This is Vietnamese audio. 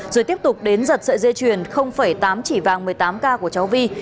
rồi tiếp tục đến giật sợi dây chuyền tám chỉ vàng một mươi tám k của cháu vi